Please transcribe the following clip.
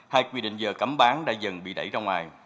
hay quy định giờ cấm bán đã dần bị đẩy ra ngoài